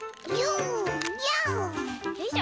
よいしょ。